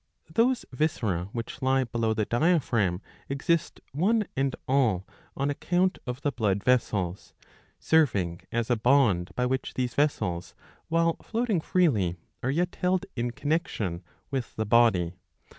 Those viscera which lie below the diaphragm exist one and all on account of the blood vessels \^ serving as a bond, by which these vessels, while floating freely, are yet held in connection with the body.